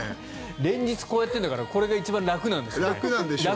連日こうやっているんだからこれが楽なんでしょうね。